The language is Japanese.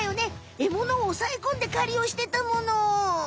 エモノをおさえこんで狩りをしてたもの！